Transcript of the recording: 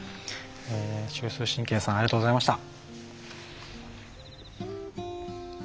中枢神経さんありがとうございました。